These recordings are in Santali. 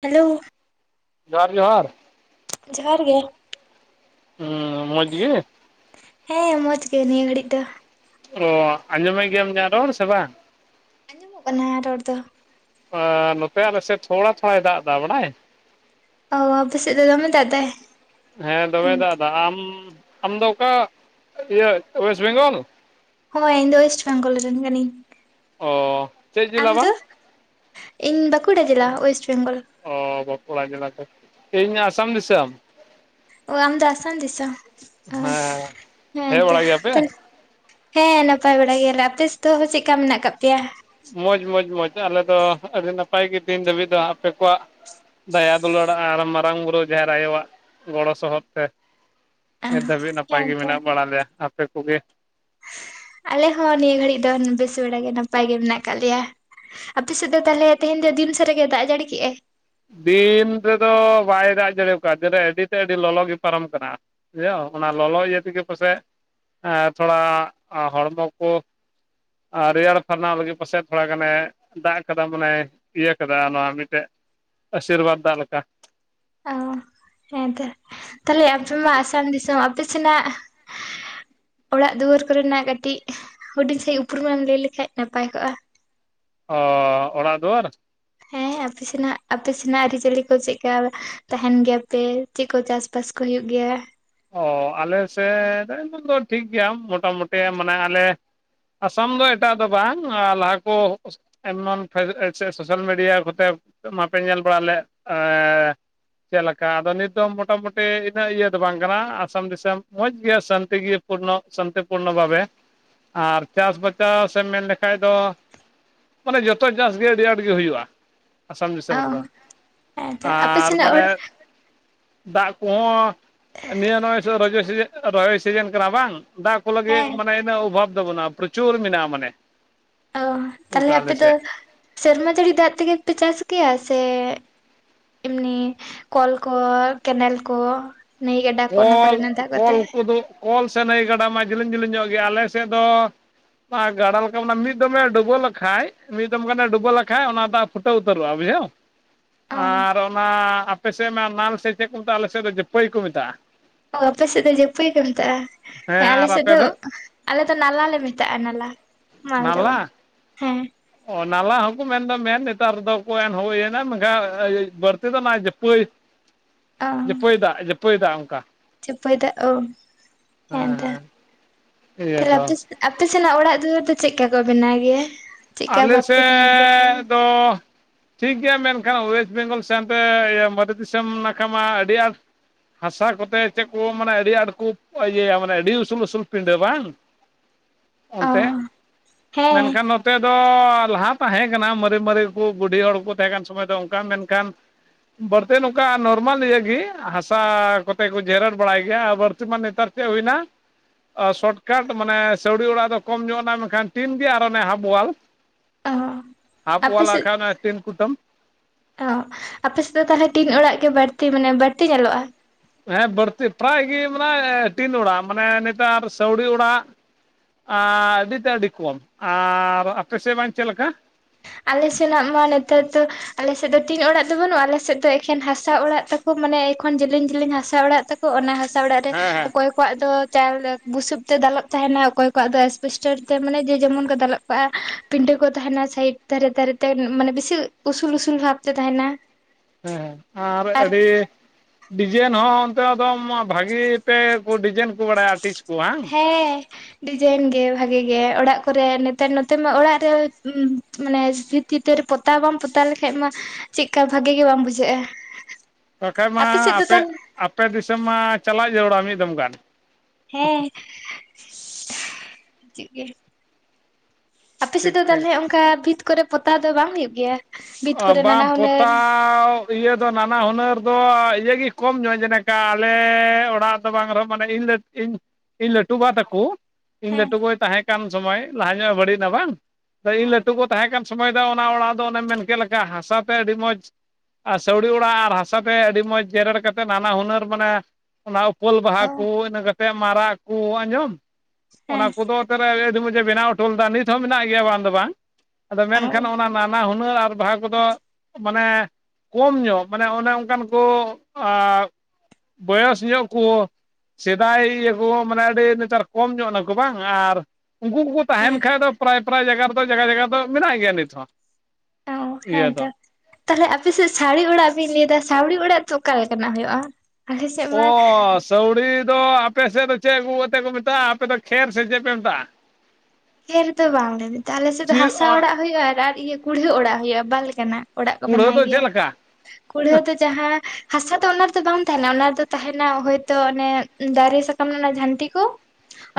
ᱦᱮᱞᱳ ᱡᱚᱸᱦᱟᱨ ᱡᱚᱸᱦᱟᱨ ᱡᱚᱸᱦᱟᱨ ᱜᱮ ᱦᱩᱸ ᱢᱚᱸᱡᱽ ᱜᱮ? ᱦᱮᱸ ᱢᱚᱸᱡᱽ ᱜᱮ ᱱᱤᱭᱟᱹ ᱜᱷᱟᱹᱲᱤᱡ ᱫᱚ। ᱚ ᱟᱸᱡᱚᱢᱮᱫ ᱜᱮᱭᱟᱢ ᱤᱧᱟᱹᱜ ᱨᱚᱲ ᱥᱮ ᱵᱟᱝ? ᱟᱸᱡᱚᱢᱚᱜ ᱠᱟᱱᱟ ᱨᱚᱲ ᱫᱚ ᱟ ᱱᱚᱛᱮ ᱟᱞᱮᱥᱮᱫ ᱛᱷᱚᱲᱟ ᱛᱷᱚᱲᱟᱭ ᱫᱟᱜ ᱮᱫᱟ ᱵᱟᱰᱟᱭ? ᱚᱻ ᱟᱯᱮ ᱥᱮᱫ ᱫᱚᱢᱮ ᱫᱟᱜ ᱫᱟᱭ? ᱦᱮᱸ ᱫᱚᱢᱮ ᱫᱟᱜ ᱫᱟᱭ ᱟᱢ ᱟᱢᱫᱚ ᱚᱠᱟ ᱤᱭᱟᱹ ᱳᱭᱮᱥᱴ ᱵᱮᱝᱜᱚᱞ? ᱦᱳᱭ ᱤᱧ ᱫᱚ ᱚᱭᱮᱥᱴ ᱵᱮᱝᱜᱚᱞ ᱨᱮᱱ ᱠᱟᱹᱱᱤᱧ। ᱚᱻ ᱟᱢ ᱫᱚ? ᱤᱧ ᱵᱟᱸᱠᱩᱲᱟ ᱡᱮᱞᱟ ᱚᱭᱮᱥᱴ ᱵᱮᱝᱜᱚᱞ। ᱚ ᱵᱟᱸᱠᱩᱲᱟ ᱡᱮᱞᱟ ᱛᱚ, ᱤᱧ ᱢᱟ ᱟᱥᱟᱢ ᱫᱤᱥᱚᱢ ᱚ ᱟᱢ ᱫᱚ ᱟᱥᱟᱢ ᱫᱤᱥᱚᱢ ᱦᱳᱭ ᱦᱮᱸ ᱦᱮᱸ ᱦᱮᱡ ᱛᱚ ᱵᱟᱲᱟᱜ ᱜᱮᱭᱟᱯᱮ ᱦᱮᱸ ᱱᱟᱯᱟᱭ ᱵᱟᱲᱟ ᱜᱮᱭᱟᱞᱮ, ᱟᱯᱮ ᱥᱮᱫ ᱛᱚᱵᱮ ᱪᱮᱫ ᱞᱮᱠᱟ ᱢᱮᱱᱟᱜ ᱠᱟᱜ ᱯᱮᱭᱟ? ᱢᱚᱡᱽ ᱢᱚᱡᱽ ᱢᱚᱡᱽ ᱟᱞᱮ ᱫᱚ ᱟᱹᱰᱤ ᱱᱟᱯᱟᱭ ᱜᱮ ᱛᱮᱸᱦᱮᱧ ᱫᱷᱟᱹᱵᱤᱡ ᱫᱚ ᱟᱯᱮ ᱠᱚᱣᱟᱜ ᱫᱟᱭᱟ ᱫᱩᱞᱟᱹᱲ ᱟᱨ ᱢᱟᱨᱟᱝ ᱵᱩᱨᱩ ᱡᱟᱸᱦᱮᱨ ᱟᱭᱳᱣᱟᱜ ᱜᱚᱲᱚ ᱥᱚᱦᱚᱫ ᱛᱮ ᱱᱤᱛ ᱫᱷᱟᱹᱵᱤᱡ ᱱᱟᱯᱟᱭ ᱦᱮᱸ ᱜᱮ ᱛᱚ ᱢᱮᱱᱟᱜ ᱵᱟᱲᱟ ᱞᱮᱭᱟ᱾ ᱟᱯᱮ ᱠᱚᱜᱮ? ᱟᱞᱮ ᱦᱚᱸ ᱱᱤᱭᱟᱹ ᱜᱷᱟᱹᱲᱤᱡ ᱫᱚ ᱵᱮᱥ ᱵᱟᱲᱟ ᱜᱮ ᱱᱟᱯᱟᱭ ᱜᱮ ᱢᱮᱱᱟᱜ ᱠᱟᱜ ᱞᱮᱭᱟ᱾ ᱟᱯᱮ ᱥᱮᱫ ᱫᱚ ᱛᱟᱦᱟᱞᱮ ᱛᱮᱸᱦᱮᱧ ᱫᱚ ᱫᱤᱱ ᱥᱟᱨᱟ ᱜᱮ ᱫᱟᱜ ᱮ ᱡᱟᱹᱲᱤ ᱠᱮᱜᱟᱭ? ᱫᱤᱱᱻ ᱨᱮᱫᱚ ᱵᱟᱭ ᱫᱟᱜ ᱡᱟᱹᱲᱤᱭᱟᱠᱟᱼᱟ ᱪᱮᱰᱮ ᱟᱹᱰᱤ ᱛᱮ ᱟᱹᱰᱤ ᱞᱚᱞᱚ ᱜᱮ ᱯᱟᱨᱚᱢ ᱠᱟᱱᱟ᱾ ᱤᱭᱟᱹ ᱚᱱᱟ ᱞᱚᱞᱚ ᱤᱭᱟᱹ ᱛᱮᱜᱮ ᱯᱟᱥᱮᱡ ᱮ ᱛᱷᱚᱲᱟ ᱦᱚᱲᱢᱚ ᱠᱚ ᱟᱨ ᱨᱮᱭᱟᱲ ᱯᱷᱟᱨᱱᱟᱣ ᱞᱟᱹᱜᱤᱫ ᱯᱟᱥᱮᱡ ᱛᱷᱚᱲᱟ ᱜᱟᱱᱮ ᱫᱟᱜ ᱠᱟᱫᱟ ᱢᱟᱱᱮ ᱤᱭᱟᱹ ᱠᱟᱫᱟ ᱱᱚᱣᱟ ᱢᱤᱫᱴᱮᱡ ᱟᱥᱤᱨᱵᱟᱫᱽ ᱫᱟᱜ ᱞᱮᱠᱟ ᱚ ᱦᱮᱸ ᱛᱚ ᱛᱟᱦᱟᱞᱮ ᱟᱯᱮ ᱢᱟ ᱟᱥᱟᱢ ᱫᱤᱥᱚᱢ ᱟᱯᱮ ᱥᱮᱱᱟᱜ ᱚᱸᱲᱟᱜ ᱫᱩᱣᱟᱹᱨ ᱠᱚᱨᱮᱱᱟᱜ ᱠᱟᱹᱴᱤᱡ ᱦᱩᱸᱰᱤᱧ ᱥᱟᱹᱦᱤᱡ ᱩᱯᱨᱩᱢ ᱮᱢ ᱞᱟᱹᱭ ᱞᱮᱠᱷᱟᱱ ᱱᱟᱯᱟᱭ ᱠᱚᱜᱼᱟ? ᱚᱻ ᱚᱸᱲᱟᱜ ᱫᱩᱣᱟᱹᱨ ᱦᱮᱸ ᱟᱯᱮ ᱥᱮᱱᱟᱜ ᱟᱯᱮ ᱥᱮᱱᱟᱜ ᱟᱹᱨᱤᱪᱟᱹᱞᱤ ᱠᱚ ᱪᱮᱫᱠᱟ ᱛᱟᱦᱮᱸᱱ ᱜᱮᱭᱟ ᱯᱮ? ᱪᱮᱫ ᱠᱚ ᱪᱟᱥ ᱵᱟᱥ ᱠᱚ ᱦᱩᱭᱩᱜ ᱜᱮᱭᱟ? ᱚᱻ ᱟᱞᱮ ᱥᱮᱫ [inaudible] ᱴᱷᱤᱠ ᱜᱮᱭᱟ ᱢᱚᱴᱟᱢᱩᱴᱤ ᱢᱟᱱᱮ ᱟᱞᱮ ᱟᱥᱟᱢ ᱫᱚ ᱮᱴᱟᱜ ᱫᱚ ᱵᱟᱝ ᱞᱟᱦᱟ ᱠᱚ ᱟᱭᱢᱟᱱ ᱯᱮᱫ ᱮ ᱥᱮ ᱥᱳᱥᱟᱞ ᱢᱤᱰᱤᱭᱟ ᱠᱚᱛᱮ ᱢᱟᱯᱮ ᱧᱮᱞ ᱵᱟᱲᱟ ᱞᱮᱫᱜ ᱮᱻ ᱪᱮᱫ ᱞᱮᱠᱟ ᱟᱫᱚ ᱱᱤᱛ ᱫᱚ ᱢᱚᱴᱟᱢᱩᱴᱤ ᱤᱱᱟᱹᱜ ᱤᱭᱟᱹ ᱫᱚ ᱵᱟᱝ ᱡᱟᱞᱟ ᱟᱥᱟᱢ ᱫᱤᱥᱚᱢ ᱢᱚᱡᱽ ᱜᱮᱭᱟ ᱥᱟᱱᱛᱤ ᱜᱮᱭᱟ ᱯᱩᱨᱱᱚ ᱥᱟᱱᱛᱤ ᱯᱩᱨᱱᱚ ᱵᱷᱟᱵᱮ ᱟᱨ ᱪᱟᱥ ᱵᱟᱪᱟᱥ ᱮᱢ ᱢᱮᱱ ᱞᱮᱠᱷᱟᱡ ᱫᱚ ᱢᱟᱱᱮ ᱡᱚᱛᱚ ᱪᱟᱥ ᱜᱮ ᱟᱹᱰᱤ ᱟᱸᱴ ᱜᱮ ᱦᱩᱭᱩᱜᱼᱟ᱾ ᱟᱥᱟᱢ ᱚ ᱫᱤᱥᱚᱢ ᱨᱮ ᱫᱚ ᱦᱮᱸ ᱛᱚ ᱟᱯᱮ ᱟᱨ ᱥᱮᱱᱟᱜ ᱦᱚᱲ ᱢᱟᱱᱮ ᱫᱟᱜ ᱠᱚᱦᱚᱸ ᱱᱤᱭᱟᱹ ᱱᱚᱜᱼᱚᱭ ᱫᱚ ᱨᱚᱦᱚᱭ ᱥᱤ ᱨᱚᱦᱚᱭ ᱥᱤᱡᱤᱱ ᱠᱟᱱᱟ ᱵᱟᱝ ᱫᱟᱜ ᱠᱚ ᱞᱟᱹᱜᱤᱫ ᱦᱮᱸ ᱢᱟᱱᱮ ᱤᱱᱟᱹᱜ ᱚᱵᱷᱟᱵ ᱫᱚ ᱵᱟᱱᱩᱜᱼᱟ ᱯᱨ ᱪᱩᱨ ᱢᱮᱱᱟᱜᱼᱟ ᱢᱟᱱᱮ ᱚ ᱛᱟᱦᱞᱮ ᱚᱱᱠᱟ ᱟᱯᱮ ᱟᱞᱮ ᱫᱚ ᱥᱮᱫ ᱥᱮᱨᱢᱟ ᱡᱟᱹᱲᱤ ᱫᱟᱜ ᱛᱮ ᱜᱮ ᱯᱮ ᱪᱟᱥ ᱜᱮᱭᱟ? ᱥᱮ ᱮᱢᱱᱤ ᱠᱚᱞ ᱠᱚ ᱠᱮᱱᱮᱞ ᱠᱚ ᱱᱟᱹᱭ ᱜᱟᱰᱟ ᱠᱚ ᱚᱱᱟ ᱠᱚᱞ ᱠᱚᱨᱮᱱᱟᱜ ᱫᱟᱜ ᱠᱚᱛᱮ ᱠᱚᱞ ᱠᱚᱫᱚ ᱚᱞ ᱥᱮ ᱦᱩᱭᱩᱜ ᱜᱟᱰᱟ ᱢᱟ ᱡᱤᱞᱤᱧ ᱡᱤᱞᱤᱧ ᱧᱚᱜ ᱜᱮ ᱟᱞᱮ ᱥᱮᱫ ᱫᱚ ᱯᱟ ᱜᱟᱰᱟ ᱞᱮᱠᱟ ᱵᱚᱞᱮ ᱢᱤᱫ ᱫᱚᱢᱮ ᱰᱩᱵᱟᱹᱣ ᱞᱮᱠᱷᱟᱡ ᱢᱤᱫ ᱫᱚᱢ ᱜᱟᱱᱮ ᱴᱚᱵᱚᱜ ᱞᱮᱠᱷᱟᱡ ᱚᱱᱟ ᱫᱚ ᱯᱷᱩᱴᱟᱹ ᱩᱛᱟᱹᱨᱚᱜᱼᱟ ᱵᱩᱡᱷᱟᱹᱣ ᱚ ᱟᱨ ᱚᱱᱟ ᱟᱯᱮ ᱥᱮᱫ ᱢᱟ ᱱᱟᱞ ᱥᱮ ᱪᱮᱫ ᱠᱚ ᱢᱮᱛᱟᱜᱼᱟ ᱟᱞᱮ ᱥᱮᱫ ᱫᱚ ᱡᱟᱹᱯᱟᱹᱭ ᱠᱚ ᱢᱮᱛᱟᱜᱼᱟ ᱚ ᱵᱟᱯᱮ ᱥᱮᱫ ᱫᱚ ᱡᱟᱹᱯᱟᱹᱭ ᱠᱚ ᱢᱮᱛᱟᱜᱼ ᱟ᱾ ᱦᱮᱸ ᱟᱞᱮ ᱥᱮᱫ ᱫᱚ ᱟᱞᱮ ᱫᱚ ᱱᱟᱞᱟ ᱞᱮ ᱢᱮᱛᱟᱜᱼᱟ ᱱᱟᱞᱟ ᱢᱟᱞ ᱫᱚ ᱱᱟᱞᱟ ᱵᱟᱝ ᱦᱮᱸ ᱚ ᱱᱟᱞᱟ ᱦᱚᱸᱠᱩ ᱢᱮᱱ ᱫᱚ ᱢᱮᱱ ᱱᱮᱛᱟᱨ ᱫᱚᱠᱚ [unintelligible] ᱦᱩᱭ ᱮᱱᱟ ᱢᱮᱱᱠᱷᱟᱱ ᱵᱟᱹᱲᱛᱤ ᱫᱚ ᱡᱟᱹᱯᱟᱹᱭ [inaudible] ᱡᱟᱹᱯᱟᱹᱭ ᱫᱟᱜ ᱡᱟᱹᱯᱟᱹᱭ ᱫᱟᱜ ᱚᱱᱠᱟ ᱡᱟᱹᱯᱟᱹᱭ ᱫᱟᱜ ᱚ ᱦᱮ ᱦᱮᱸ ᱮᱱᱛᱮ ᱦᱮᱸ ᱤᱭᱟᱹ ᱛᱷᱟᱞᱮ ᱫᱚ ᱟᱯᱮ ᱥᱮ ᱟᱯᱮ ᱥᱮᱱᱟᱜ ᱚᱲᱟᱜ ᱫᱩᱣᱟᱹᱨ ᱫᱚ ᱪᱮᱫ ᱠᱟ ᱠᱚ ᱵᱮᱱᱟᱣ ᱜᱮᱭᱟ? ᱪᱮᱫᱠᱟ ᱟᱞᱮ ᱵᱷᱟᱵᱛᱮ ᱥᱮᱜᱻ ᱛᱟᱦᱮᱱ ᱜᱮᱭᱟ ᱠᱚ? ᱫᱚ ᱴᱷᱤᱠ ᱜᱮᱭᱟ ᱢᱮᱱᱠᱷᱟᱱ ᱳᱭᱮᱥᱴ ᱵᱮᱝᱜᱚᱞ ᱥᱮᱱ ᱛᱮ ᱢᱟᱫᱮ ᱫᱤᱥᱚᱢ ᱱᱟᱠᱷᱟ ᱢᱟ ᱟᱹᱰᱤ ᱟᱸᱴ ᱦᱟᱥᱟ ᱠᱚᱛᱮ ᱪᱮᱫ ᱠᱚ ᱢᱟᱱᱮ ᱟᱹᱰᱤ ᱟᱸᱴ ᱠᱚ ᱤᱭᱟᱹ ᱭᱟ ᱢᱟᱱᱮ ᱟᱹᱰᱤ ᱩᱥᱩᱞ ᱩᱥᱩᱞ ᱯᱤᱰᱟᱹ ᱵᱟᱝ [inaudible] ᱚᱱᱛᱮ ᱦᱮᱸ ᱢᱮᱱᱠᱷᱟᱱ ᱱᱚᱛ ᱛᱮ ᱫᱚ ᱞᱟᱦᱟ ᱛᱟᱦᱮᱸ ᱠᱟᱱᱟ ᱢᱟᱨᱮ ᱢᱟᱨᱮ ᱠᱚ ᱵᱩᱰᱷᱤ ᱦᱚᱲ ᱠᱚ ᱛᱟᱦᱮᱸ ᱠᱟᱱ ᱥᱳᱢᱳᱭ ᱫᱚ ᱚᱱᱠᱟ ᱢᱮᱱᱠᱷᱟᱱ ᱵᱟᱹᱲᱛᱤ ᱱᱚᱝᱠᱟ ᱱᱚᱨᱢᱟᱞ ᱤᱭᱟᱹᱜᱤ ᱦᱟᱥᱟ ᱠᱚᱛᱮ ᱠᱚ ᱡᱮᱨᱮᱲ ᱵᱟᱲᱟᱭ ᱜᱮᱭᱟ ᱵᱟᱹᱲᱛᱤ ᱢᱟ ᱱᱮᱛᱟᱨ ᱥᱮ ᱦᱩᱭᱱᱟ ᱥᱚᱴᱠᱟᱴ ᱢᱟᱱᱮ ᱥᱟᱹᱣᱲᱤ ᱚᱲᱟᱜ ᱫᱚ ᱠᱚᱢ ᱧᱚᱜ ᱮᱱᱟ ᱢᱮᱱᱠᱷᱟᱱ ᱴᱤᱱ ᱜᱮ ᱟᱨ ᱚᱱᱮ ᱦᱟᱯ ᱚ ᱟᱯᱮ ᱥᱮᱫ [unintelligible] ᱚ ᱟᱯᱮ ᱥᱮᱫ ᱫᱚ ᱛᱟᱦᱞᱮ ᱴᱤᱱ ᱚᱲᱟᱜ ᱜᱮ ᱵᱟᱹᱲᱛᱤ ᱢᱟᱱᱮ ᱵᱟᱹᱲᱛᱤ ᱧᱮᱞᱚᱜᱼᱟ᱾ ᱦᱮᱸ ᱵᱟᱹᱲᱛᱤ ᱯᱨᱟᱭ ᱜᱮ ᱢᱟᱱᱮ ᱴᱤᱱ ᱚᱲᱟᱜ ᱢᱟᱱᱮ ᱱᱮᱛᱟᱨ ᱥᱟᱹᱣᱲᱤ ᱚᱲᱟᱜ ᱟᱹᱰᱤ ᱛᱮ ᱟᱹᱰᱤ ᱠᱚᱢ ᱟᱨ ᱟᱯᱮ ᱥᱮᱫ ᱵᱟᱝ ᱪᱮᱫ ᱞᱮᱠᱟ? ᱟᱞᱮ ᱥᱮᱱᱟᱜ ᱢᱟ ᱱᱮᱛᱟᱨ ᱫᱚ, ᱟᱞᱮ ᱥᱮᱫ ᱫᱚ ᱴᱤᱱ ᱚᱲᱟᱜ ᱫᱚ ᱵᱟᱹᱱᱩᱜᱼᱟ ᱟᱞᱮ ᱥᱮᱫ ᱫᱚ ᱮᱠᱷᱮᱱ ᱦᱟᱥᱟ ᱚᱲᱟᱜ ᱛᱟᱠᱚ ᱢᱟᱱᱮ ᱮᱠᱷᱚᱱ ᱡᱮᱞᱮᱧ ᱡᱮᱞᱮᱧ ᱦᱟᱥᱟ ᱚᱲᱟᱜ ᱛᱟᱠᱚ᱾ ᱚᱱᱟ ᱦᱟᱥᱟ ᱚᱲᱟᱜ ᱨᱮ ᱦᱮᱸ ᱦᱮᱸ ᱚᱠᱚᱭ ᱠᱚᱣᱟᱜ ᱫᱚ ᱪᱟᱞ ᱵᱩᱥᱩᱵ ᱛᱮ ᱫᱟᱞᱚᱵ ᱛᱟᱦᱮᱱᱟ ᱚᱠᱚᱭ ᱠᱚᱣᱟᱜ ᱫᱚ ᱮᱥᱯᱮᱥᱴᱟᱨ ᱛᱮ ᱢᱟᱱᱮ ᱡᱮ ᱡᱮᱢᱚᱱ ᱠᱚ ᱫᱟᱞᱚᱵ ᱠᱟᱜᱼᱟ᱾ ᱯᱤᱸᱰᱟᱹ ᱠᱚ ᱛᱟᱦᱮᱱᱟ ᱥᱟᱭᱤᱴ ᱫᱷᱟᱨᱮ ᱫᱷᱟᱨᱮ ᱛᱮ ᱢᱟᱱᱮ ᱵᱮᱥᱤ ᱩᱥᱩᱞ ᱩᱥᱩᱞ ᱵᱷᱟᱯ ᱛᱮ ᱛᱟᱦᱮᱱᱟ᱾ ᱦᱮᱸ ᱦᱮᱸ ᱟᱨ ᱟᱹᱰᱤ ᱰᱤᱡᱟᱭᱤᱱ ᱦᱚᱸ ᱚᱱᱛᱮ ᱫᱚᱢ ᱵᱷᱟᱹᱜᱤ ᱯᱮ ᱰᱤᱡᱟᱭᱤᱱ ᱠᱚ ᱵᱟᱲᱟᱭᱟ ᱟᱴᱤᱥ ᱠᱚ ᱦᱚ ᱦᱮ᱾ ᱦᱮᱸ ᱰᱤᱡᱟᱭᱤᱱ ᱜᱮ ᱵᱷᱟᱜᱮ ᱜᱮ ᱚᱲᱟᱜ ᱠᱚᱨᱮ ᱱᱮᱛᱟᱨ ᱱᱚᱛᱮ ᱢᱟ ᱚᱲᱟᱜ ᱨᱮ ᱢᱟᱱᱮ ᱵᱷᱤᱛᱤᱨ ᱫᱷᱟᱨᱮ ᱯᱚᱛᱟᱣ ᱵᱟᱢ ᱯᱚᱛᱟᱣ ᱞᱮᱠᱷᱟᱡ ᱢᱟ ᱪᱮᱫ ᱠᱟ ᱵᱷᱟᱜᱮ ᱜᱮ ᱵᱟᱝ ᱵᱩᱡᱷᱟᱹᱜᱼᱟ᱾ ᱵᱟᱠᱷᱟᱡ ᱢᱟ ᱥᱮᱫ ᱫᱚ ᱟᱯᱮ ᱛᱟᱦᱚᱞᱮ ᱟᱯᱮ ᱫᱤᱥᱚᱢ ᱢᱟ ᱪᱟᱞᱟᱜ ᱡᱟᱹᱨᱩᱲᱟ ᱢᱤᱫ ᱫᱚᱢ ᱜᱟᱱ᱾ ᱦᱮᱸ [inaudible] ᱜᱮ ᱟᱯᱮ ᱥᱮᱫ ᱴᱷᱤᱠ ᱫᱚ ᱴᱷᱤᱠ ᱛᱟᱦᱞᱮ ᱚᱱᱠᱟ ᱵᱷᱤᱛ ᱠᱚᱨᱮ ᱯᱚᱛᱟᱣ ᱫᱚ ᱵᱟᱝ ᱦᱩᱭᱩᱜ ᱜᱮᱭᱟ? ᱵᱷᱤᱛ ᱠᱚᱨᱮ ᱱᱟᱱᱟ ᱵᱟᱝ ᱦᱩᱱᱟᱹᱨ ᱯᱚᱛᱟᱣᱻ ᱤᱭᱟᱹ ᱫᱚ ᱱᱟᱱᱟ ᱦᱩᱱᱟᱹᱨ ᱫᱚ ᱤᱭᱟᱹ ᱜᱮ ᱠᱚᱢ ᱧᱚᱜ ᱡᱮᱱᱮᱠᱟ ᱟᱞᱮᱻ ᱚᱲᱟᱜ ᱫᱚ ᱵᱟᱝ ᱨᱮᱦᱚᱸ ᱢᱟᱱᱮ ᱤᱧ ᱤᱧ ᱤᱧ ᱞᱟᱹᱴᱩ ᱵᱟ ᱛᱟᱠᱚ ᱤᱧ ᱦᱮᱸ ᱞᱟᱹᱴᱩ ᱜᱚᱭ ᱛᱟᱦᱮᱸ ᱠᱟᱱ ᱥᱳᱢᱳᱭ ᱞᱟᱦᱟ ᱧᱚᱜ ᱮ ᱵᱟᱹᱲᱤᱡ ᱮᱱᱟ ᱵᱟᱝ ᱤᱧ ᱞᱟᱹᱴᱩ ᱜᱚ ᱛᱟᱦᱮᱸ ᱠᱟᱱ ᱥᱚᱢᱚᱭ ᱫᱚ ᱚᱱᱟ ᱚᱲᱟᱜ ᱫᱚ ᱚᱱᱮᱢ ᱢᱮᱱᱠᱮᱫ ᱞᱮᱠᱟ ᱦᱟᱥᱟ ᱛᱮ ᱟᱹᱰᱤ ᱢᱚᱡᱽ ᱟᱨ ᱥᱟᱹᱣᱲᱤ ᱚᱲᱟᱜ ᱟᱨ ᱦᱟᱥᱟ ᱛᱮ ᱟᱹᱰᱤ ᱢᱚᱡᱽ ᱡᱮᱨᱮᱲ ᱠᱟᱛᱮᱜ ᱱᱟᱱᱟ ᱦᱩᱱᱟᱹᱨ ᱢᱟᱱᱮ ᱚᱱᱟ ᱩᱯᱟᱹᱞ ᱵᱟᱦᱟ ᱚ ᱠᱩ ᱤᱱᱟᱹ ᱠᱟᱛᱮᱜ ᱢᱟᱨᱟᱜ ᱠᱩ ᱟᱸᱡᱚᱢ ᱦᱮᱸ ᱚᱱᱟ ᱠᱚᱫᱚ ᱟᱹᱰᱤ ᱢᱚᱡᱽᱮ ᱵᱮᱱᱟᱣ ᱦᱚᱴᱚ ᱞᱮᱫᱟ ᱱᱤᱛ ᱦᱚᱸ ᱢᱮᱱᱟᱜ ᱜᱮᱭᱟ ᱵᱟᱝ ᱫᱚ ᱵᱟᱝ ᱟᱫᱚ ᱢᱮᱱᱠᱷᱟᱱ ᱚᱱᱟ ᱱᱟᱱᱟ ᱦᱩᱱᱟᱹᱨ ᱟᱨ ᱵᱟᱦᱟ ᱠᱚᱫᱚ ᱢᱟᱱᱮ ᱠᱚᱢ ᱧᱚᱜ ᱢᱟᱱᱮ ᱚᱱᱮ ᱚᱱᱠᱟᱱ ᱠᱚ ᱵᱚᱭᱮᱥ ᱧᱚᱜ ᱠᱚ ᱥᱮᱫᱟᱭ ᱤᱭᱟᱹ ᱠᱚ ᱢᱟᱱᱮ ᱟᱹᱰᱤ ᱱᱮᱛᱟᱨ ᱠᱚᱢ ᱧᱚᱜ ᱱᱟᱠᱚ ᱵᱟᱝ, ᱟᱨ ᱩᱱᱠᱩ ᱠᱚᱠᱚ ᱛᱟᱦᱮᱱ ᱦᱮᱸ ᱠᱷᱟᱡ ᱫᱚ ᱯᱨᱟᱭ ᱯᱨᱟᱭ ᱡᱟᱭᱜᱟ ᱨᱮᱫᱚ ᱡᱟᱭᱜᱟ ᱡᱟᱭᱜᱟ ᱫᱚ ᱢᱮᱱᱟᱜ ᱜᱮᱭᱟ ᱱᱤᱛ ᱦᱚᱸ᱾ ᱚ, ᱤᱭᱟᱹ ᱦᱮᱸᱛᱚ᱾ ᱫᱚ ᱛᱟᱦᱞᱮ ᱟᱯᱮ ᱥᱮᱫ ᱥᱟᱹᱣᱲᱤ ᱚᱲᱟᱜ ᱵᱤᱱ ᱞᱟᱹᱭ ᱫᱟ, ᱥᱟᱹᱣᱲᱤ ᱚᱲᱟᱜ ᱫᱚ ᱚᱠᱟ ᱞᱮᱠᱟᱱᱟᱜ ᱦᱩᱭᱩᱜᱼᱟ? ᱟᱞᱮ ᱥᱮᱫ ᱢᱟ ᱚ ᱥᱟᱹᱣᱲᱤ ᱫᱚ ᱟᱯᱮ ᱥᱮᱫ ᱫᱚ ᱪᱮᱫ ᱟᱹᱜᱩ ᱠᱟᱛᱮᱫ ᱠᱚ ᱢᱮᱛᱟᱜᱼᱟ, ᱟᱯᱮ ᱫᱚ ᱠᱷᱮᱨ ᱥᱮ ᱪᱮᱫ ᱯᱮ ᱢᱮᱛᱟᱜᱼᱟ? ᱠᱷᱮᱨ ᱫᱚ ᱵᱟᱝ ᱞᱮ ᱢᱮᱛᱟᱜᱼᱟ ᱟᱞᱮ ᱥᱮᱫ ᱫᱚ ᱪᱮᱫ ᱦᱟᱥᱟ ᱚᱲᱟᱜ ᱦᱩᱭᱩᱜᱼᱟ, ᱟᱨ ᱤᱭᱟᱹ ᱠᱩᱲᱦᱟᱹ ᱚᱲᱟᱜ ᱦᱩᱭᱩᱜᱼᱟ ᱵᱟᱨ ᱞᱮ ᱠᱟᱱᱟᱜ᱾ ᱚᱲᱟᱜ ᱠᱚ ᱠᱩᱲᱦᱟᱹ ᱵᱮᱱᱟᱣ ᱫᱚ ᱜᱮᱭᱟ᱾ ᱪᱮᱫ ᱞᱮᱠᱟ ᱠᱩᱲᱦᱟᱹ ᱫᱚ ᱡᱟᱦᱟ ᱦᱟᱥᱟ ᱫᱚ ᱚᱱᱟ ᱨᱮᱫᱚ ᱵᱟᱝ ᱛᱟᱦᱮᱱᱟ, ᱚᱱᱟ ᱨᱮᱫᱚ ᱛᱟᱦᱮᱱᱟ ᱦᱳᱭ ‌ᱛᱚ ᱚᱱᱮ ᱫᱟᱨᱮ ᱥᱟᱠᱟᱢ‌ ᱨᱮᱱᱟᱜ ᱡᱷᱟᱹᱱᱴᱤ ᱠᱚ,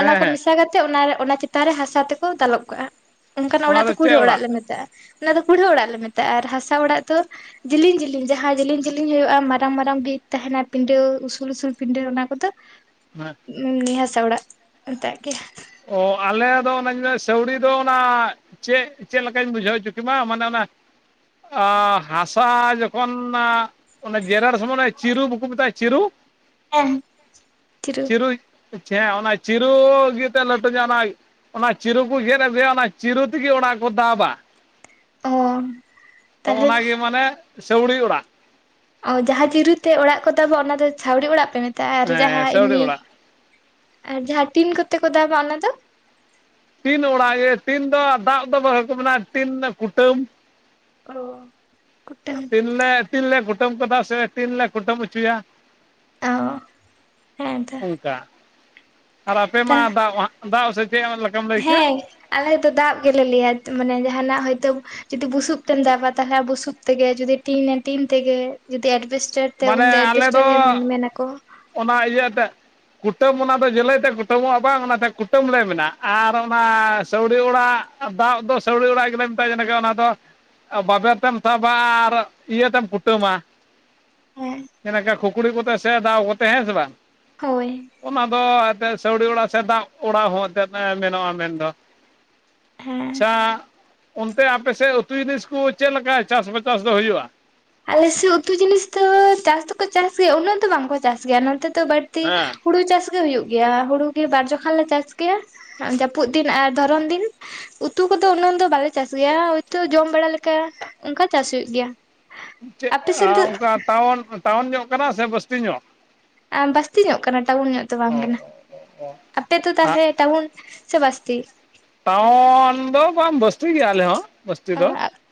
ᱚᱱᱟ ᱠᱚ ᱦᱮᱸ ᱢᱮᱥᱟ ᱠᱟᱛᱮᱜ ᱚᱱᱟ ᱚᱱᱟ ᱪᱮᱛᱟᱱ ᱨᱮ ᱦᱟᱥᱟ ᱛᱮᱠᱚ ᱫᱟᱞᱚᱵ ᱠᱟᱜᱼᱟ᱾ ᱚᱱᱠᱟᱱᱟᱜ ᱚᱲᱟᱜ ᱫᱚ ᱠᱩᱲᱟᱹ ᱚᱲᱟᱜ ᱞᱮ ᱢᱮᱛᱟᱜᱼᱟ ᱚᱱᱟ ᱫᱚ ᱠᱩᱲᱟᱹ ᱚᱲᱟᱜ ᱞᱮ ᱢᱮᱛᱟᱜᱼᱟ, ᱟᱨ ᱦᱟᱥᱟ ᱚᱲᱟᱜ ᱫᱚ ᱡᱤᱞᱤᱧ ᱡᱤᱞᱤᱧ ᱡᱟᱦᱟ ᱡᱤᱞᱤᱧ ᱡᱤᱞᱤᱧ ᱦᱩᱭᱩᱜᱼᱟ ᱢᱟᱨᱟᱝ ᱢᱟᱨᱟᱝ ᱵᱷᱤᱛ ᱛᱟᱦᱮᱱᱟ ᱯᱤᱰᱟᱹ ᱩᱥᱩᱞ ᱩᱥᱩᱞ ᱯᱤᱰᱟᱹ ᱚᱱᱟ ᱠᱚᱫᱚ [unintelligible] [unintelligible] ᱮᱢᱱᱤ ᱦᱟᱥᱟ ᱚᱲᱟᱜ ᱢᱮᱛᱟᱜ ᱜᱮᱭᱟ᱾ ᱚ ᱟᱞᱮ ᱫᱚ ᱚᱱᱟ ᱥᱟᱹᱣᱲᱤ ᱫᱚ ᱚᱱᱟ ᱪᱮᱫ ᱪᱮᱫ ᱞᱮᱠᱟᱧ ᱵᱩᱡᱷᱟᱹᱣ ᱦᱚᱪᱚ ᱠᱮᱢᱟ ᱢᱟᱱᱮ ᱚᱱᱟ ᱦᱟᱥᱟ ᱡᱚᱠᱷᱚᱱ ᱚᱱᱟ ᱡᱮᱨᱮᱲ ᱥᱚᱢᱚᱭ ᱪᱤᱨᱩ ᱵᱟᱠᱚ ᱢᱮᱛᱟᱜᱼᱟ ᱪᱤᱨᱩ ᱦᱮᱸ ᱪᱤᱨᱩ ᱪᱮ ᱚᱱᱟ ᱪᱤᱨᱩ ᱜᱮ ᱛᱚ ‌ᱞᱟᱹᱴᱩ ᱧᱚᱜ ᱚᱱᱟ ᱚᱱᱟ ᱪᱤᱨᱩ ᱠᱚ ᱜᱮᱫ ᱟᱹᱜᱩᱭᱟ ᱚᱱᱟ ᱪᱤᱨᱩ ᱛᱮᱜᱮ ᱚᱱᱟ ᱠᱚ ᱫᱟᱵᱟ ᱚ ᱛᱚ ᱛᱟᱦᱞᱮ ᱚᱱᱟ ᱜᱮ ᱢᱟᱱᱮ ᱥᱟᱹᱣᱲᱤ ᱚᱲᱟᱜ ᱚ ᱡᱟᱦᱟ ᱪᱤᱨᱩ ᱛᱮ ᱚᱲᱟᱜ ᱠᱚ ᱫᱟᱵᱟ ᱚᱱᱟ ᱫᱚ ᱥᱟᱹᱣᱲᱤ ᱚᱲᱟᱜ ᱯᱮ ᱢᱮᱛᱟᱜᱼᱟ᱾ ᱟᱨ ᱦᱮᱸ ᱡᱟᱦᱟ ᱥᱟᱹᱣᱲᱤ ᱮᱢᱱᱤ ᱚᱲᱟᱜ ᱟᱨ ᱡᱟᱦᱟᱸ ᱴᱤᱱ ᱠᱚᱛᱮ ᱠᱚ ᱫᱟᱵᱟ ᱚᱱᱟ ᱫᱚ? ᱴᱤᱱ ᱚᱲᱟᱜ ᱤᱭᱟᱹ ᱴᱤᱱ ᱫᱚ ᱫᱟᱜ ᱫᱚ ᱵᱟᱠᱚ ᱢᱮᱱᱟ ᱴᱤᱱ ᱫᱚ ᱠᱩᱴᱟᱹᱢ ᱚ ᱠᱩᱴᱟᱹᱢ ᱴᱤᱱ ᱞᱮ ᱴᱤᱱ ᱞᱮ ᱠᱩᱴᱟᱹᱢ ᱠᱟᱫᱟ ᱥᱮ ᱴᱤᱱ ᱞᱮ ᱠᱩᱴᱟᱹᱢ ᱚᱪᱚᱭᱟ ᱚ ᱦᱮᱸ ᱛᱚ ᱚᱝᱠᱟ ᱟᱨ ᱟᱯᱮ ᱢᱟ ᱛᱟᱦᱞᱮ ᱫᱟᱜ ᱦᱟᱜ ᱫᱟᱵ ᱥᱮ ᱪᱮᱫ ᱞᱮᱠᱟᱢ ᱞᱟᱹᱭ ᱠᱮᱜ? ᱦᱮᱸ ᱟᱞᱮ ᱫᱚ ᱫᱟᱵ ᱜᱮᱞᱮ ᱞᱟᱹᱭᱼᱟ ᱢᱟᱱᱮ ᱡᱟᱦᱟ ᱱᱟᱜ ᱦᱳᱭ ᱛᱚᱠ ᱡᱩᱫᱤ ᱵᱩᱥᱩᱵ ᱛᱮᱢ ᱫᱟᱵᱟ ᱛᱟᱦᱚᱞᱮ ᱵᱩᱥᱩᱵ ᱛᱮᱜᱮ ᱡᱩᱫᱤ ᱴᱤᱱ ᱴᱤᱱ ᱛᱮᱜᱮ ᱡᱩᱫᱤ ᱮᱥᱵᱨᱥᱴᱟᱨ ᱛᱮ ᱢᱟᱱᱮ ᱩᱱ ᱫᱚ ᱟᱞᱮ ᱮᱥᱵᱮᱥᱴᱟᱨ ᱜᱮ ᱢᱮᱱ ᱢᱮᱱ ᱟᱠᱚ ᱚᱱᱟ ᱤᱭᱟᱹᱛᱮ ᱠᱩᱴᱟᱹᱢ ᱚᱱᱟ ᱫᱚ ᱡᱳᱞᱳᱭ ᱛᱮ ᱠᱩᱴᱟᱹᱢᱚᱜᱼᱟ ᱵᱟᱝ ᱚᱱᱟ ᱛᱮ ᱠᱩᱴᱟᱹᱢ ᱞᱮ ᱢᱮᱱᱟᱜ ᱟᱨ ᱚᱱᱟ ᱥᱟᱹᱣᱲᱤ ᱚᱲᱟᱜ ᱟᱨ ᱫᱟᱵ ᱫᱚ ᱥᱟᱹᱣᱲᱤ ᱚᱲᱟᱜ ᱜᱮᱞᱮ ᱢᱮᱛᱟᱜᱼᱟ ᱡᱮᱞᱮᱠᱟ ᱚᱱᱟ ᱫᱚ ᱵᱟᱵᱮᱨ ᱛᱮᱢ ᱥᱟᱵᱟ ᱟᱨ ᱤᱭᱟᱹ ᱛᱮᱢ ᱠᱩᱴᱟᱹᱢ ᱦᱮᱸ ᱡᱮᱞᱮᱠᱟ [unintelligible] ᱠᱚᱛᱮ [unintelligible] ᱠᱚᱛᱮ ᱦᱮᱸ ᱥᱮ ᱵᱟᱝ ᱦᱳᱭ ᱚᱱᱟ ᱫᱚ ᱮᱱᱛᱮᱫ ᱥᱟᱹᱣᱲᱤ ᱚᱲᱟᱜ ᱥᱮ ᱫᱟᱵ ᱚᱲᱟᱜ ᱦᱚᱸ ᱮᱱᱛᱮᱫ ᱢᱮᱱᱚᱜᱟ ᱢᱮᱱ ᱫᱚ ᱦᱮᱸ ᱪᱷᱟ ᱚᱱᱛᱮ ᱟᱯᱮ ᱥᱮᱫ ᱩᱛᱩ ᱡᱤᱱᱤᱥ ᱠᱚ ᱪᱮᱫ ᱞᱮᱠᱟ ᱪᱟᱥ ᱵᱟᱥ ᱪᱟᱥ ᱫᱚ ᱦᱩᱭᱩᱜᱼᱟ? ᱟᱞᱮ ᱥᱮᱫ ᱩᱛᱩ ᱡᱤᱱᱤᱥ ᱫᱚ ᱪᱟᱥ ᱫᱚᱠᱚ ᱪᱟᱥ ᱜᱮᱭᱟ ᱩᱱᱟᱹᱜ ᱫᱚ ᱵᱟᱝ ᱠᱚ ᱪᱟᱥ ᱜᱮᱭᱟ ᱱᱚᱛᱮ ᱫᱚ ᱵᱟᱫ ᱛᱤ ᱦᱮᱸ ᱦᱩᱲᱩ ᱪᱟᱥ ᱜᱮ ᱦᱩᱭᱩᱜ ᱜᱮᱭᱟ ᱦᱩᱲᱩ ᱜᱮ ᱵᱟᱨ ᱡᱚᱠᱷᱚᱱ ᱞᱮ ᱪᱟᱥ ᱜᱮᱭᱟ ᱡᱟᱹᱯᱩᱫ ᱫᱤᱱ ᱟᱨ ᱫᱷᱚᱨᱚᱱ ᱫᱤᱱ ᱩᱛᱩ ᱠᱚᱫᱚ ᱩᱱᱟᱹᱜ ᱫᱚ ᱵᱟᱞᱮ ᱪᱟᱥ ᱜᱮᱭᱟ ᱦᱳᱭ ᱛᱚ ᱡᱚᱢ ᱵᱟᱲᱟ ᱞᱮᱠᱟ ᱚᱱᱠᱟ ᱪᱟᱥ ᱦᱩᱭᱩᱜ ᱜᱮᱭᱟ ᱪᱮᱫ ᱟᱯᱮ ᱟ ᱥᱮᱱ ᱫᱚ ᱚᱱᱠᱟ ᱴᱟᱣᱩᱱ ᱴᱟᱣᱩᱱ ᱧᱚᱜ ᱠᱟᱱᱟ ᱥᱮ ᱵᱟᱹᱥᱛᱤ ᱧᱚᱜ? ᱵᱟᱹᱥᱛᱤ ᱧᱚᱜ ᱠᱟᱱᱟ ᱴᱟᱣᱩᱱ ᱧᱚᱜ ᱫᱚ ᱵᱟᱝ ᱚ ᱠᱟᱱᱟ᱾ ᱟᱯᱮ ᱫᱚ ᱦᱟᱸᱜ ᱛᱟᱦᱞᱮ ᱴᱟᱣᱩᱱ ᱥᱮ ᱵᱟᱹᱥᱛᱤ? ᱴᱟᱣᱩᱱ ᱫᱚ ᱵᱟᱝ ᱵᱟᱹᱥᱛᱤ ᱜᱮ ᱟᱞᱮ ᱦᱚᱸ ᱵᱟᱹᱥᱛᱤ ᱫᱚ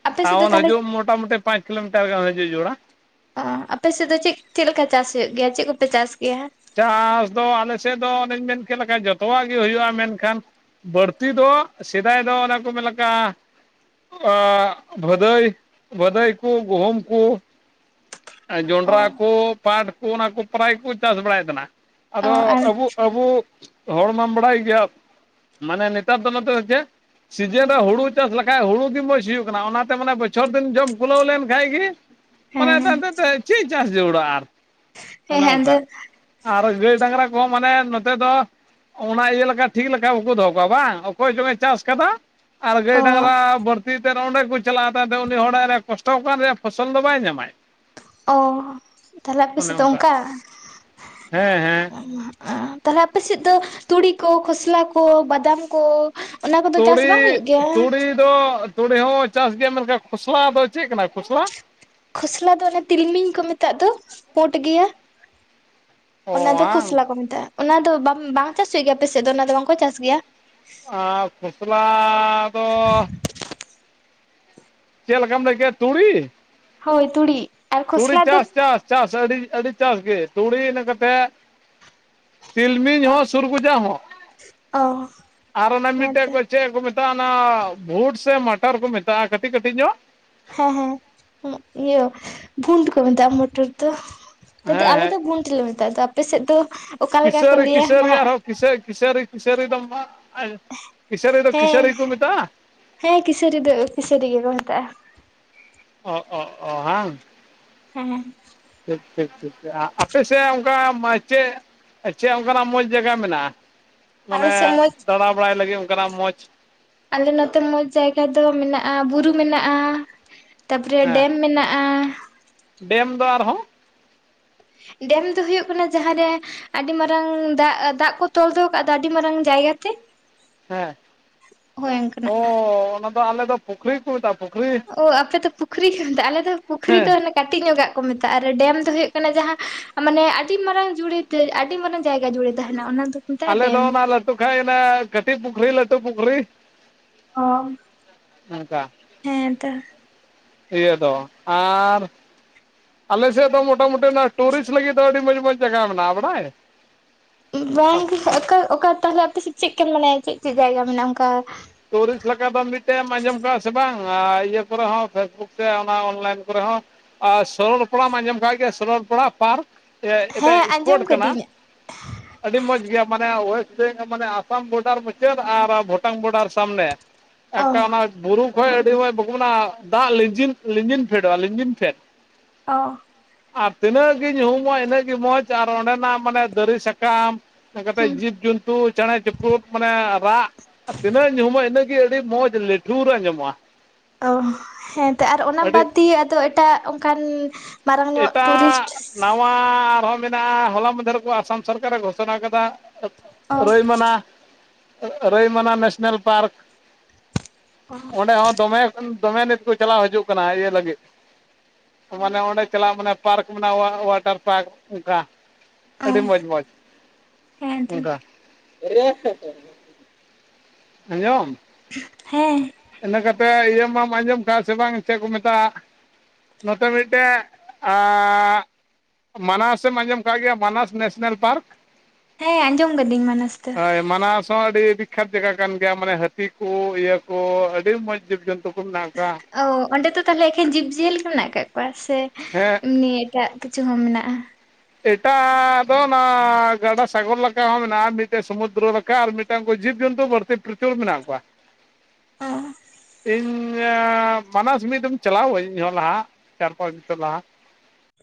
ᱟᱯᱮ ᱥᱮᱫ ᱫᱚ ᱴᱟᱣᱩᱱ ᱛᱟᱦᱚᱞᱮ ᱦᱤᱡᱩᱜ ᱢᱚᱴᱟ ᱢᱩᱴᱤ ᱯᱟᱪ ᱠᱤᱞᱚᱢᱤᱴᱟᱨ ᱜᱟᱱ ᱦᱤᱡᱩᱜ ᱡᱟᱹᱨᱩᱲᱟᱲᱟ ᱚ ᱟᱯᱮᱥᱮᱫ ᱫᱚ ᱪᱮᱫ ᱪᱮᱫ ᱞᱮᱠᱟ ᱪᱟᱥ ᱦᱩᱭᱩᱜ ᱜᱮᱭᱟ? ᱪᱮᱫ ᱠᱚᱯᱮ ᱪᱟᱥ ᱜᱮᱭᱟ? ᱪᱟᱥ ᱫᱚ ᱟᱞᱮ ᱥᱮᱫ ᱫᱚ ᱚᱱᱮᱧ ᱢᱮᱱ ᱠᱮᱫ ᱞᱮᱠᱟ ᱡᱚᱛᱚᱣᱟᱜ ᱜᱮ ᱦᱩᱭᱩᱜ-ᱟ ᱢᱮᱱᱠᱷᱟᱱ ᱵᱟᱹᱲᱛᱤ ᱫᱚ ᱥᱮᱫᱟᱭ ᱫᱚ ᱚᱱᱮᱠᱚ ᱢᱮᱱ ᱞᱮᱠᱟ ᱟᱜ ᱵᱷᱟᱹᱫᱟᱹᱭ, ᱵᱷᱟᱹᱫᱟᱹᱭ ᱠᱚ ᱜᱩᱦᱩᱢ ᱠᱚ ᱚ ᱡᱚᱱᱰᱨᱟ ᱠᱚ ᱯᱟᱴ ᱠᱚ ᱚᱱᱟ ᱠᱚ ᱯᱟᱨᱟᱭ ᱠᱚ ᱪᱟᱥ ᱵᱟᱲᱟᱭ ᱛᱟᱦᱮᱱᱟ ᱚ ᱟᱫᱚ ᱟᱨ ᱟᱵᱚ ᱟᱵᱚ ᱦᱚᱲᱢᱟᱢ ᱵᱟᱰᱟᱭ ᱜᱮᱭᱮ ᱢᱟᱱᱮ ᱱᱤᱛᱟᱨ ᱫᱚ ᱱᱚᱛᱮ ᱫᱚ ᱪᱮᱫ ᱥᱤᱡᱮᱱ ᱨᱮ ᱦᱩᱲᱩ ᱪᱟᱥ ᱞᱮᱠᱷᱟᱡ ᱦᱩᱲᱩ ᱜᱮ ᱢᱚᱡᱽ ᱦᱩᱭᱩᱜ ᱠᱟᱱᱟ ᱚᱱᱟᱛᱮ ᱢᱟᱱᱮ ᱵᱚᱪᱷᱚᱨ ᱫᱤᱱ ᱡᱚᱢ ᱠᱩᱞᱟᱹᱣ ᱞᱮᱱᱠᱷᱟᱡ ᱜᱮ ᱢᱟᱱᱮ ᱦᱮᱸ ᱮᱱᱛᱮ ᱮᱱᱛᱮ ᱛᱮᱫ ᱪᱮᱫ ᱪᱟᱥ ᱡᱟᱹᱨᱩᱲᱟ ᱟᱨ ᱦᱮᱸ ᱚᱱᱮ ᱦᱮᱸ ᱟᱫᱚ ᱚᱝᱠᱟ᱾ ᱟᱨ ᱜᱟᱹᱭ ᱰᱟᱝᱨᱟ ᱠᱚ ᱦᱚᱸ ᱢᱟᱱᱮ ᱱᱚᱛᱮ ᱫᱚ ᱚᱱᱟ ᱤᱭᱟᱹ ᱞᱮᱠᱟ ᱴᱷᱤᱠ ᱞᱮᱠᱟ ᱵᱟᱠᱚ ᱫᱚᱦᱚ ᱠᱚᱣᱟ ᱵᱟᱝ ᱚᱠᱚᱭ ᱪᱚᱝᱮ ᱪᱟᱥ ᱠᱟᱫᱟ ᱟᱨ ᱜᱟᱹᱭ ᱚ ᱰᱟᱝᱨᱟ ᱵᱟᱹᱨᱛᱤ ᱚᱸᱰᱮ ᱠᱚ ᱪᱟᱞᱟᱜ-ᱟ ᱛᱟᱭᱚᱢ ᱛᱟᱦᱚᱞᱮ ᱩᱱᱤ ᱦᱚᱲᱟᱜ ᱨᱮ ᱠᱚᱥᱴᱚ ᱠᱟᱱ ᱨᱮᱭᱟᱜ ᱯᱷᱚᱥᱚᱞ ᱫᱚ ᱵᱟᱭ ᱧᱟᱢᱟᱭ ᱚ ᱛᱟᱦᱚᱞᱮ ᱚᱱᱮ ᱟᱯᱮᱥᱮᱪ ᱫᱚ ᱚᱱᱠᱟ ᱚᱝᱠᱟ ᱦᱮᱸ ᱦᱮᱸ [inaudible] ᱛᱟᱦᱚᱞᱮ ᱟᱯᱮᱥᱮᱫ ᱫᱚ ᱛᱩᱲᱤ ᱠᱚ ᱠᱷᱚᱥᱞᱟ ᱠᱚ ᱵᱟᱫᱟᱢ ᱠᱚ ᱚᱱᱟ ᱠᱚᱫᱚ ᱪᱟᱥ ᱵᱟᱝ ᱛᱩᱲᱤ, ᱦᱩᱭᱩᱜ ᱜᱮᱭᱟ? ᱛᱩᱲᱤ ᱫᱚ ᱛᱩᱲᱤ ᱦᱚᱸ ᱪᱟᱥ ᱜᱮᱭᱟ ᱢᱮᱱᱠᱷᱟᱱ ᱠᱷᱚᱥᱞᱟ ᱫᱚ ᱪᱮᱫ ᱠᱟᱱᱟ ᱠᱷᱚᱥᱞᱟ? ᱠᱷᱚᱥᱞᱟ ᱫᱚ ᱚᱱᱮ ᱛᱤᱞᱢᱤᱧ ᱠᱚ ᱢᱮᱛᱟᱜ ᱫᱚ ᱯᱳᱰ ᱜᱮᱭᱟ ᱚ ᱚᱱᱟ ᱫᱚ ᱵᱟᱝ ᱠᱷᱚᱥᱞᱟ ᱠᱚ ᱢᱮᱛᱟᱜ-ᱟ᱾ ᱚᱱᱟ ᱫᱚ ᱵᱟᱢ ᱵᱟᱝ ᱪᱟᱥ ᱦᱩᱭᱩᱜ ᱜᱮᱭᱟ ᱟᱯᱮ ᱥᱮᱫ ᱫᱚ ᱚᱱᱟ ᱫᱚ ᱵᱟᱝᱠᱚ ᱪᱟᱥ ᱜᱮᱭᱟ? ᱟᱸ ᱠᱷᱚᱥᱞᱟ ᱫᱚ ᱪᱮᱫ ᱞᱮᱠᱟᱢ ᱞᱟᱹᱭᱠᱮᱫ-ᱟ ᱛᱩᱲᱤ? ᱦᱳᱭ ᱛᱩᱲᱤ᱾ ᱟᱨ ᱛᱩᱲᱤ ᱠᱷᱚᱥᱞᱟ ᱫᱚ ᱪᱟᱥ ᱪᱟᱥ ᱪᱟᱥ ᱟᱹᱰᱤ ᱟᱹᱰᱤ ᱪᱟᱥ ᱜᱮ ᱛᱩᱲᱤ ᱤᱱᱟᱹ ᱠᱟᱛᱮ ᱛᱤᱞᱢᱤᱧ ᱦᱚᱸ ᱥᱩᱨᱜᱩᱡᱟ ᱦᱚᱸ ᱚ ᱟᱨ ᱚᱱᱟ ᱢᱤᱫᱴᱮᱡ ᱦᱮᱸᱛᱚ ᱠᱚ ᱪᱮᱫ ᱠᱚ ᱢᱮᱛᱟᱜ-ᱟ ᱚᱱᱟ ᱵᱷᱩᱴ ᱥᱮ ᱢᱟᱴᱟᱨ ᱠᱚ ᱢᱮᱛᱟᱜ-ᱟ ᱠᱟᱹᱴᱤᱡ ᱠᱟᱹᱴᱤᱡ ᱧᱚᱜ? ᱦᱮᱸ ᱦᱮᱸ ᱩᱜ ᱤᱭᱟᱹ ᱵᱷᱩᱱᱴ ᱠᱚ ᱢᱮᱛᱟᱜ-ᱟ ᱢᱚᱴᱚᱨ ᱫᱚ᱾ ᱱᱚᱛᱮ ᱫᱚ ᱦᱮᱸ ᱟᱞᱮ ᱦᱮᱸ ᱫᱚ ᱵᱩᱱᱴ ᱢᱮᱛᱟᱜ-ᱟ ᱟᱫᱚ ᱟᱯᱮ ᱥᱮᱡ ᱫᱚ ᱚᱠᱟ ᱞᱮᱠᱟ ᱠᱚ ᱠᱤᱥᱟᱹᱨᱤ ᱞᱟᱹᱭᱟ ᱠᱤᱥᱟᱹᱨᱤ ᱱᱟᱦᱟᱜ ᱟᱨᱦᱚᱸ ᱠᱤᱥᱟᱹ ᱠᱤᱥᱟᱹᱨᱤ ᱠᱤᱥᱟᱹᱨᱤ ᱫᱚ ᱢᱟᱜ ᱟᱸᱭ ᱠᱤᱥᱟᱹᱨᱤ ᱫᱚ ᱦᱮᱸ ᱠᱤᱥᱟᱹᱨᱤ ᱠᱚ ᱢᱮᱛᱟᱜ-ᱟ ᱦᱮᱸ ᱠᱤᱥᱟᱹᱨᱤ ᱫᱚ ᱠᱤᱥᱟᱹᱨᱤ ᱜᱮᱠᱚ ᱢᱮᱛᱟᱜ-ᱟ ᱚᱸ ᱚᱸ ᱚᱸ ᱦᱟᱝ ᱦᱮᱸ ᱦᱮᱸ ᱴᱷᱤᱠ ᱴᱷᱤᱠ ᱴᱷᱤᱠ, ᱟᱯᱮᱥᱮᱫ ᱚᱱᱠᱟ ᱢᱟ ᱪᱮᱫ? ᱪᱮᱫ ᱚᱝᱠᱟᱱᱟᱜ ᱢᱚᱸᱡᱽ ᱡᱟᱜᱟ ᱢᱮᱱᱟᱜ-ᱟ ᱟᱞᱮ ᱢᱟᱱᱮ ᱥᱮᱫ ᱢᱚᱡᱽ ᱫᱟᱬᱟ ᱵᱟᱲᱟᱭ ᱞᱟᱹᱜᱤᱫ ᱚᱝᱠᱟᱱᱟᱜ ᱢᱚᱸᱡᱽ? ᱟᱞᱮ ᱱᱚᱛᱮ ᱢᱚᱸᱡᱽ ᱡᱟᱭᱜᱟ ᱫᱚ ᱢᱮᱱᱟᱜ-ᱟ ᱵᱩᱨᱩ ᱢᱮᱱᱟᱜ-ᱟ ᱛᱟᱯᱚᱨᱮ ᱦᱮᱸ ᱰᱮᱢ ᱢᱮᱱᱟᱜ-ᱟ ᱰᱮᱢ ᱫᱚ ᱟᱨᱦᱚᱸ? ᱰᱮᱢ ᱫᱚ ᱦᱩᱭᱩᱜ ᱠᱟᱱᱟ ᱡᱟᱦᱟᱸᱨᱮ ᱟᱹᱰᱤ ᱢᱟᱨᱟᱝ ᱫᱟᱜ ᱫᱟᱜ ᱠᱚ ᱛᱚᱞ ᱫᱚᱦᱚ ᱠᱟᱜ -ᱫ ᱛᱚ ᱟᱹᱰᱤ ᱢᱟᱨᱟᱝ ᱡᱟᱭᱜᱟᱛᱮ ᱦᱮᱸ ᱚᱱᱠᱟᱱᱟᱜ ᱚ ᱚᱱᱟ ᱫᱚ ᱟᱞᱮ ᱫᱚ ᱯᱩᱠᱷᱨᱤ ᱠᱚ ᱢᱮᱛᱟᱜ-ᱟ ᱯᱩᱠᱷᱨᱤ ᱚ ᱟᱯᱮ ᱫᱚ ᱯᱩᱠᱷᱨᱤ ᱠᱚ ᱢᱮᱛᱟᱜ-ᱟ ᱟᱞᱮ ᱫᱚ ᱯᱩᱠᱷᱨᱤ ᱫᱚ ᱦᱮᱸ ᱚᱱᱮ ᱠᱟᱹᱴᱤᱡ ᱧᱚᱜᱟᱜ ᱠᱚ ᱢᱮᱛᱟᱜ-ᱟ ᱟᱨ ᱰᱮᱢ ᱫᱚ ᱦᱩᱭᱩᱜ ᱠᱟᱱᱟ ᱡᱟᱦᱟᱸ ᱢᱟᱱᱮ ᱟᱹᱰᱤ ᱢᱟᱨᱟᱝ ᱡᱩᱲᱮ ᱛᱮ ᱟᱹᱰᱤ ᱢᱟᱨᱟᱝ ᱡᱟᱭᱜᱟ ᱡᱩᱲᱮ ᱛᱟᱦᱮᱱᱟ ᱚᱱᱟ ᱫᱚ ᱟᱞᱮ ᱫᱚ ᱚᱱᱟ ᱞᱟᱹᱴᱩ ᱠᱷᱟᱡ ᱚᱱᱟ ᱠᱟᱹᱴᱤᱡ ᱯᱩᱠᱷᱨᱤ ᱞᱟᱹᱴᱩ ᱯᱩᱠᱷᱨᱤ ᱚ ᱚᱝᱠᱟ ᱦᱮᱸ ᱛᱚ ᱤᱭᱟᱹ ᱫᱚ ᱟᱨ ᱟᱞᱮ ᱥᱮᱫ ᱫᱚ ᱢᱚᱴᱟᱢᱩᱴᱤ ᱚᱱᱟ ᱴᱩᱨᱤᱥᱴ ᱞᱟᱹᱜᱤᱫ ᱫᱚ ᱟᱹᱰᱤ ᱢᱚᱸᱡᱽ ᱢᱚᱸᱡᱽ ᱡᱟᱜᱟ ᱢᱮᱱᱟᱜ-ᱟ ᱵᱟᱲᱟᱭ ᱵᱟᱝᱜᱮ ᱟᱠᱟ ᱚᱠᱟ ᱛᱟᱦᱚᱞᱮ ᱟᱯᱮ ᱥᱮᱫ ᱪᱮᱫ ᱠᱚ ᱢᱟᱱᱮ ᱪᱮᱫ ᱪᱮᱫ ᱡᱟᱭᱜᱟ ᱢᱮᱱᱟᱜ-ᱟ ᱚᱝᱠᱟ ᱴᱩᱨᱤᱥᱴ ᱞᱮᱠᱟ ᱫᱚ ᱢᱤᱫᱴᱮᱡ ᱮᱢ ᱟᱸᱡᱚᱢ ᱠᱟᱜ-ᱟ ᱥᱮ ᱵᱟᱝ ᱤᱭᱟᱹ ᱠᱚᱨᱮ ᱦᱚᱸ ᱯᱷᱮᱥᱵᱩᱠ ᱥᱮ ᱚᱱᱟ ᱚᱱᱞᱟᱭᱤᱱ ᱠᱚᱨᱮ ᱦᱚᱸ ᱟᱨ ᱥᱚᱨᱚᱞ ᱯᱟᱲᱟᱢ ᱟᱸᱡᱚᱢ ᱠᱟᱜ ᱜᱮᱭᱟ ᱥᱚᱨᱚᱞ ᱯᱟᱲᱟ ᱯᱟᱨᱠ ᱪᱮᱫ ᱦᱮᱸ ᱮᱛᱮ ᱥᱯᱳᱴ ᱟᱸᱡᱚᱢ ᱠᱟᱱᱟ ᱠᱟᱹᱫᱟᱹᱧ ᱟᱹᱰᱤ ᱢᱚᱸᱡᱽ ᱜᱮᱭᱟ ᱢᱟᱱᱮ ᱚᱭᱮᱥᱴ ᱵᱮᱝᱜᱚᱞ ᱢᱟᱱᱮ ᱟᱥᱟᱢ ᱵᱳᱰᱟᱨ ᱢᱩᱪᱟᱹᱫᱽ ᱟᱨ ᱵᱷᱩᱴᱟᱱ ᱵᱳᱰᱟᱨ ᱥᱟᱵᱢᱮ ᱚ ᱮᱴᱟᱜ ᱟᱱᱟᱴ ᱵᱩᱨᱩ ᱠᱷᱚᱡ ᱟᱹᱰᱤ ᱢᱚᱸᱡᱽ ᱵᱟᱠᱚ ᱢᱮᱱᱟ ᱫᱟᱜ ᱞᱤᱸᱡᱤᱱ ᱞᱤᱸᱡᱤᱱ ᱯᱷᱮᱰᱚᱜᱼᱟ ᱞᱤᱸᱡᱤᱱ ᱯᱷᱮᱰ ᱚ ᱟᱨ ᱛᱤᱱᱟᱹᱜ ᱜᱤ ᱧᱩᱦᱩᱢᱚᱜᱼᱟ ᱤᱱᱟᱹᱜ ᱜᱮ ᱢᱚᱡᱽ ᱟᱨ ᱚᱸᱰᱮᱱᱟᱜ ᱢᱟᱱᱮ ᱫᱟᱨᱤ ᱥᱟᱠᱟᱢ ᱚᱱᱠᱟᱛᱮ ᱦᱩᱸ ᱡᱤᱵᱽᱼᱡᱚᱱᱛᱩ ᱪᱮᱬᱮ ᱪᱤᱯᱨᱩᱫ ᱢᱟᱱᱮ ᱨᱟᱜ ᱛᱤᱱᱟᱹᱜ ᱧᱩᱦᱩᱢᱚᱜᱼᱟ ᱤᱱᱟᱹᱜ ᱜᱮ ᱟᱹᱰᱤ ᱢᱚᱸᱡᱽ ᱞᱤᱴᱷᱩᱨ ᱟᱸᱡᱚᱢᱚᱜᱼᱟ ᱚ ᱦᱮᱸᱛᱚ ᱟᱨ ᱚᱱᱟ ᱟᱹᱰᱤ ᱵᱟᱫᱽ ᱫᱤᱭᱮ ᱟᱫᱚ ᱮᱴᱟᱜ ᱚᱱᱠᱟᱱ ᱢᱟᱨᱟᱝ ᱧᱚᱜ ᱴᱩᱨᱤᱥᱴ ᱮᱴᱟᱜ ᱱᱟᱣᱟ ᱟᱨᱦᱚᱸ ᱢᱮᱱᱟᱜᱼᱟ ᱦᱚᱞᱟ ᱢᱟᱫᱷᱮᱨ ᱨᱮᱠᱚ ᱟᱥᱟᱢ ᱥᱚᱨᱠᱟᱨᱮ ᱜᱷᱳᱥᱚᱱᱟ ᱠᱟᱫᱟ ᱚ ᱨᱟᱹᱭ ᱢᱟᱱᱟ ᱨᱟᱹᱭ ᱢᱟᱱᱟ ᱱᱮᱥᱱᱮᱞ ᱯᱟᱨᱠ ᱚ ᱚᱸᱰᱮ ᱦᱚᱸ ᱫᱚᱢᱮ ᱫᱚᱢᱮ ᱱᱤᱛ ᱠᱚ ᱪᱟᱞᱟᱣ ᱦᱤᱡᱩᱜ ᱠᱟᱱᱟ ᱤᱭᱟᱹ ᱞᱟᱹᱜᱤᱫ ᱢᱟᱱᱮ ᱚᱸᱰᱮ ᱪᱟᱞᱟᱜ ᱢᱟᱱᱮ ᱯᱟᱨᱠ ᱢᱮᱱᱟᱜᱼᱟ ᱚᱣᱟᱴᱟᱨ ᱯᱟᱨᱠ ᱚᱱᱠᱟ᱾ ᱚ ᱟᱹᱰᱤ ᱢᱚᱡᱽ ᱢᱚᱡᱽ ᱦᱮᱸ ᱛᱚ ᱚᱱᱠᱟ᱾ [unintelligible] ᱟᱸᱡᱚᱢ, ᱦᱮᱸ᱾ ᱤᱱᱟᱹ ᱠᱟᱛᱮᱫ ᱤᱭᱟᱹ ᱢᱟᱢ ᱟᱸᱡᱚᱢ ᱠᱟᱜᱼᱟ ᱥᱮ ᱵᱟᱝ ᱪᱮᱫ ᱠᱚ ᱢᱮᱛᱟᱜᱼᱟ ᱱᱚᱛᱮ ᱢᱤᱫᱴᱮᱡ ᱟ ᱢᱟᱱᱟᱥ ᱮᱢ ᱟᱸᱡᱚᱢ ᱟᱠᱟᱫ ᱜᱮᱭᱟ ᱢᱟᱱᱟᱥ ᱱᱮᱥᱱᱮᱞ ᱯᱟᱨᱠ᱾ ᱦᱮᱸ ᱟᱸᱡᱚᱢ ᱠᱟᱹᱫᱤᱧ ᱢᱟᱱᱟᱥ ᱫᱚ᱾ ᱦᱳᱭ ᱢᱟᱱᱟᱥ ᱦᱚᱸ ᱟᱹᱰᱤ ᱵᱤᱠᱠᱷᱟᱛ ᱡᱟᱭᱜᱟ ᱠᱟᱱ ᱜᱮᱭᱟ ᱢᱟᱱᱮ ᱦᱟᱹᱛᱤ ᱠᱚ ᱤᱭᱟᱹ ᱠᱚ ᱟᱹᱰᱤ ᱢᱚᱸᱡᱽ ᱡᱤᱵᱽᱼᱡᱚᱱᱛᱩ [unintelligible] ᱚ ᱚᱸᱰᱮ ᱫᱚ ᱛᱟᱦᱚᱞᱮ ᱮᱠᱮᱱ ᱡᱤᱵᱽ ᱡᱤᱭᱟᱹᱞᱤ ᱠᱚ ᱢᱮᱱᱟᱜ ᱟᱠᱟᱫ ᱠᱚᱣᱟ ᱥᱮ ᱦᱮᱸ, ᱮᱢᱱᱤ ᱮᱴᱟᱜ ᱠᱤᱪᱷᱩ ᱦᱚᱸ ᱢᱮᱱᱟᱜᱼᱟ᱾ ᱮᱴᱟᱜ ᱫᱚ ᱱᱚᱣᱟ ᱜᱟᱰᱟ ᱥᱟᱜᱚᱨ ᱞᱮᱠᱟ ᱦᱚᱸ ᱢᱮᱱᱟᱜᱼᱟ ᱢᱤᱫᱴᱮᱱ ᱥᱩᱢᱩᱫᱨᱚ ᱞᱮᱠᱟ᱾ ᱠᱟ- ᱢᱤᱫᱴᱟᱝ ᱠᱚ ᱡᱤᱵᱽᱼᱡᱚᱱᱛᱩ ᱵᱟᱹᱲᱛᱤ ᱯᱨᱚᱪᱚᱞᱚᱱ ᱢᱮᱱᱟᱜ ᱠᱚᱣᱟ᱾ ᱚ ᱤᱧ ᱢᱟᱱᱟᱥ ᱢᱤᱫ ᱫᱚᱢ ᱪᱟᱞᱟᱣ ᱟᱹᱧ ᱤᱧ ᱦᱚ ᱞᱟᱦᱟ ᱪᱟᱨ ᱯᱟᱸᱪ ᱵᱚᱪᱷᱚᱨ ᱞᱟᱦᱟ